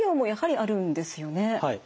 はい。